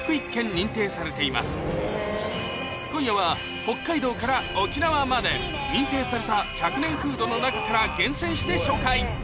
今夜は北海道から沖縄まで認定された１００年フードの中から厳選して紹介